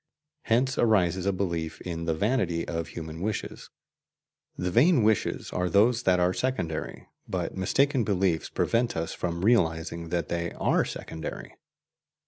Hence arises a belief in the vanity of human wishes: the vain wishes are those that are secondary, but mistaken beliefs prevent us from realizing that they are secondary.